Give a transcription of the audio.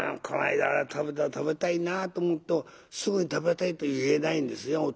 この間食べた食べたいなと思うとすぐに食べたいと言えないんですよ